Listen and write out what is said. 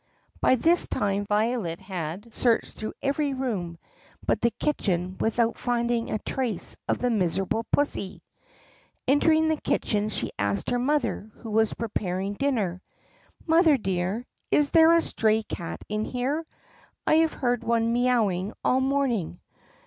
By this time Violet had searched through every room but the kitchen without finding a trace of the miserable pussy. Entering the kitchen she asked her mother, who was preparing dinner: "Mother dear, is there a stray cat in here 4 ? I have heard one mee owing all morning."